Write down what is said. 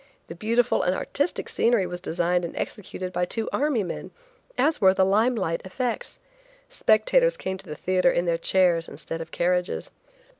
The beautiful and artistic scenery was designed and executed by two army men, as were the lime light effects. Spectators came to the theatre in their chairs instead of carriages.